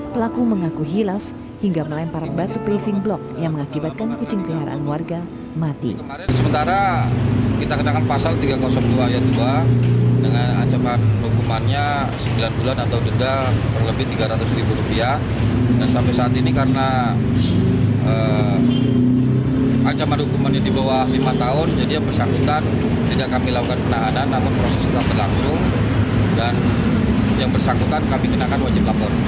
pelaku mengaku hilaf hingga melempar batu briefing block yang mengakibatkan kucing keharaan warga mati